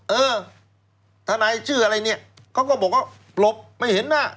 เออทนายชื่ออะไรเนี่ยเขาก็บอกว่าหลบไม่เห็นหน้า